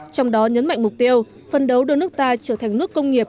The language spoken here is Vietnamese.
trong đó nhấn mạnh mục tiêu phân đấu đưa nước ta trở thành nước công nghiệp